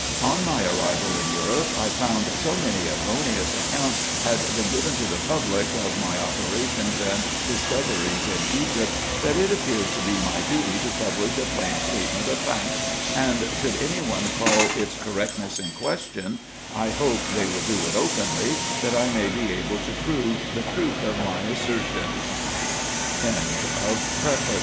On my arrival in Europe, I found so many erroneous accounts had been given to the public of my operations and discoveries in Egypt, that it appeared to be my duty to publish a plain statement of facts ; and should any one call its cor rectness in question, I hope they will do it openly, that I may be able to prove the truth of my assertions. CONTENTS. FIRST JOURNEY.